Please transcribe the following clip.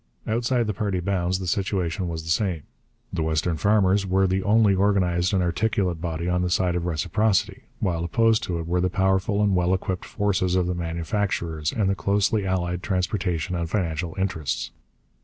Outside the party bounds the situation was the same. The western farmers were the only organized and articulate body on the side of reciprocity, while opposed to it were the powerful and well equipped forces of the manufacturers and the closely allied transportation and financial interests.